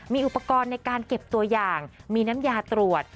มีอุปกรณ์ในการเก็บตัวอย่างมีน้ำยาตรวจ